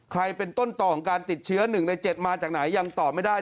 เป็นต้นต่อของการติดเชื้อ๑ใน๗มาจากไหนยังตอบไม่ได้